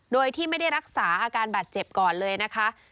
โดยที่ไม่ได้รักษาอาการบาดเจ็บก่อนเลยนะคะ